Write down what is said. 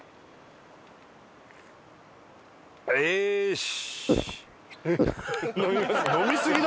よし！